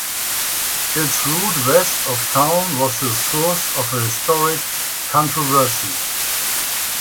Its route west of town was the source of a historic controversy.